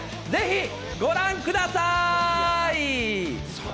ぜひご覧ください！